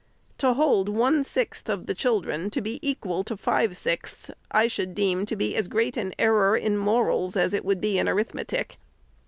To hold one sixth of the children to be equal to five sixths, I should deem to be as great an error in morals as it would be in arithmetic.